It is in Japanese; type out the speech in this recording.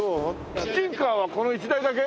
キッチンカーはこの一台だけ？